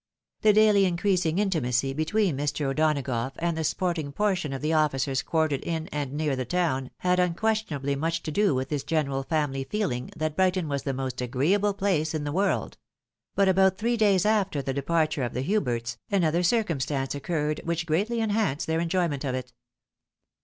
The daily increasing intimacy between Mr. O'Donagough and the sporting portion of the officers quartered in and near the town, had unquestionably much to do with this general family feeling that Brighton was the most agreeable place in the world ; but about three days after the departure of the Huberts, another circumstance occurred which greatly enhanced their enjoyment of it.